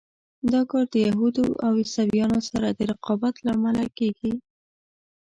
دا کار د یهودو او عیسویانو سره د رقابت له امله کېږي.